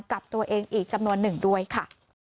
กับตัวเองอีกจำนวนหนึ่งด้วยค่ะ